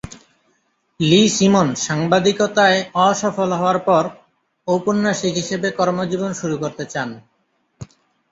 লি Simon সাংবাদিকতায় অসফল হওয়ার পর ঔপন্যাসিক হিসেবে কর্মজীবন শুরু করতে চান।